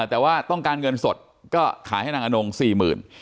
แต่ว่าต้องการเงินสดก็ขายให้นางอนงสี่หมื่น